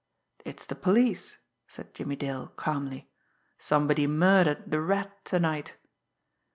"It's the police," said Jimmie Dale calmly. "Somebody murdered the Rat to night!"